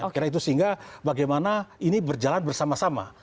kira itu sehingga bagaimana ini berjalan bersama sama